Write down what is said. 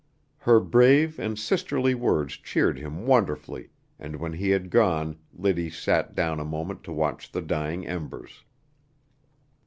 Her brave and sisterly words cheered him wonderfully, and when he had gone Liddy sat down a moment to watch the dying embers.